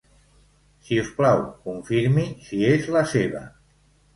Si us plau, confirmi si és la seva.